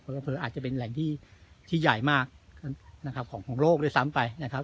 อำเภออาจจะเป็นแหล่งที่ใหญ่มากนะครับของโลกด้วยซ้ำไปนะครับ